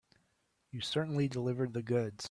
You certainly delivered the goods.